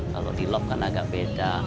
kalau di lok kan agak beda